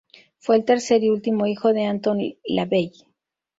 Fue el tercer y último hijo de Anton LaVey.